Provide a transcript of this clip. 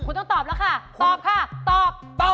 คุณต้องตอบแล้วค่ะตอบค่ะตอบ